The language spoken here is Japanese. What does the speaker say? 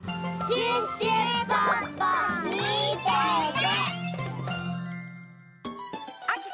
シュッシュポッポみてて！